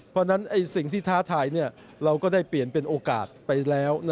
เพราะฉะนั้นสิ่งที่ท้าทายเราก็ได้เปลี่ยนเป็นโอกาสไปแล้ว